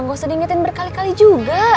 gak usah diingetin berkali kali juga